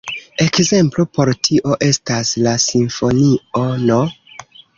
Ekzemplo por tio estas la simfonio no.